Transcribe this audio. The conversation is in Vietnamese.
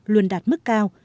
luôn đạt mức cao